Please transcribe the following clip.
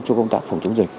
cho công tác phòng chống dịch